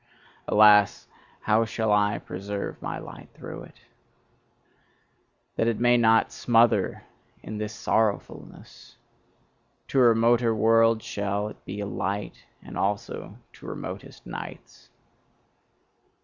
Alas, how shall I preserve my light through it! That it may not smother in this sorrowfulness! To remoter worlds shall it be a light, and also to remotest nights!